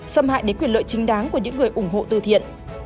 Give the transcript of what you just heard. xâm hại đến quyền lợi chính đáng của những người ủng hộ từ thiện